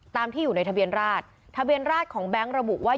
ที่อยู่ในทะเบียนราชทะเบียนราชของแบงค์ระบุว่า